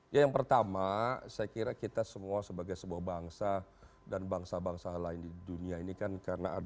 ya yang pertama saya kira kita semua sebagai sebuah bangsa dan bangsa bangsa lain di dunia ini kan karena ada